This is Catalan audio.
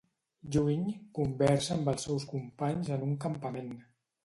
Lluny, conversa amb els seus companys en un campament.